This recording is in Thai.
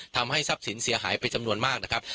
ทำให้ทรัพย์สินเสียหายไปจำนวนมากนะครับ